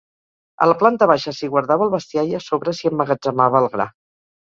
A la planta baixa s'hi guardava el bestiar i a sobre s'hi emmagatzemava el gra.